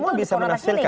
semua bisa menafsirkan